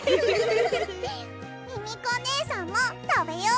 ミミコねえさんもたべよ。